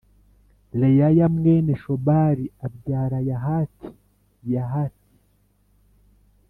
Reyaya mwene Shobali abyara Yahati Yahati